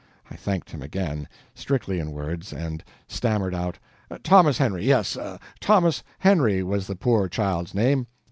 I thanked him again strictly in words and stammered out: "Thomas Henry yes, Thomas Henry was the poor child's name.